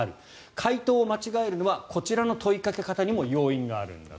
回答を間違えるのはこちらの問いかけ方にも要因があるんだと。